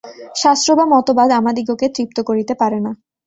শাস্ত্র বা মতবাদ আমাদিগকে তৃপ্ত করিতে পারে না।